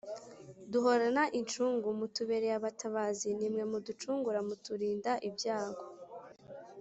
duhorana incungu: mutubereye abatabazi ni mwe muducungura muturinda ibyago